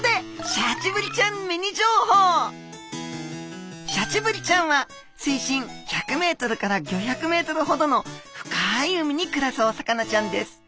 シャチブリちゃんは水深１００ｍから５００ｍほどの深い海に暮らすお魚ちゃんです。